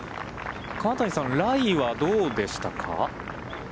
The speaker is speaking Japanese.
金谷さん、ライはどうでしたか。